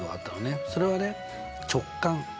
それはね直感。